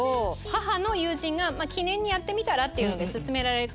母の友人が「記念にやってみたら？」って勧められて。